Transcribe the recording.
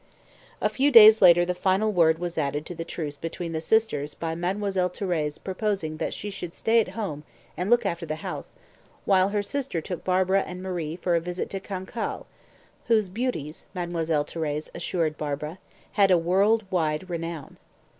A few days later the final word was added to the truce between the sisters by Mademoiselle Thérèse proposing that she should stay at home and look after the house, while her sister took Barbara and Marie for a visit to Cancale, whose beauties, Mademoiselle Thérèse assured Barbara, had a world wide renown.